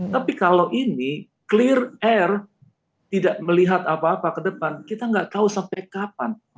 tapi kalau ini clear air tidak melihat apa apa ke depan kita nggak tahu sampai kapan